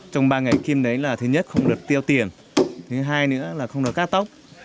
trong ba ngày kim đấy là thứ nhất không được tiêu tiền thứ hai nữa là không được cắt tóc